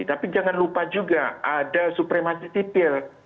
tapi jangan lupa juga ada supremasi sipil